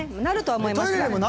なるとは思いますが。